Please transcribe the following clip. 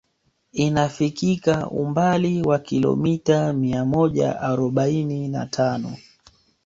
Inafikika umbali wa kilomita mia moja arobaini na tano